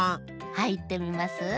はいってみます？